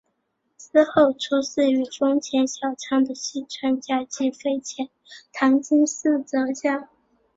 之后出仕于丰前小仓的细川家及肥前唐津寺泽家。